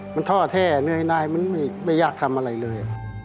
มันท่อแท้เหนื่อยนายมันไม่อยากทำอะไรเลย